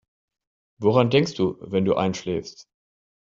Woran denkst du, wenn du einschläfst?